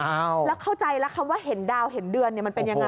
แล้วเข้าใจแล้วคำว่าเห็นดาวเห็นเดือนเนี่ยมันเป็นยังไง